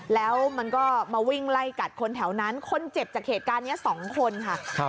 แล้วมันก็มาวิ่งไล่กัดคนแถวนั้นคนเจ็บจากเหตุการณ์นี้๒คนค่ะ